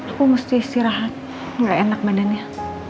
aku mesti istirahat mulai enak badannya